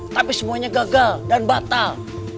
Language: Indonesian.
tapi semuanya gagal dan batal